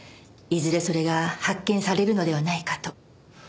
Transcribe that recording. いずれそれが発見されるのではないかと。